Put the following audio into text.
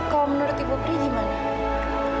kalau menurut ibu pri gimana